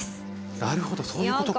なるほどそういうことか。